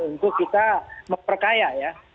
untuk kita memperkaya ya